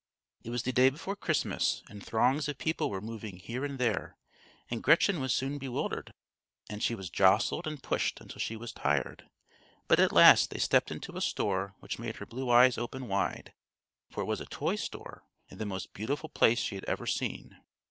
It was the day before Christmas, and throngs of people were moving here and there, and Gretchen was soon bewildered, and she was jostled and pushed until she was tired; but at last they stepped into a store which made her blue eyes open wide, for it was a toy store, and the most beautiful place she had ever seen.